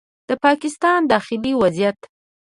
د پاکستان داخلي وضعیت